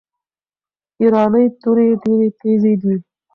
ایرانۍ توري ډیري تیزي دي.